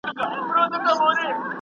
زه به سبا لاس پرېولم!.